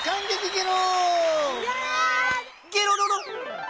ゲロロロ。